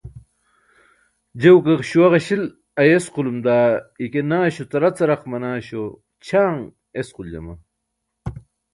je guke śuwa ġaśil ayesqulum daa ike naśo caracaraq manaaśo ćʰaaṅ esquljama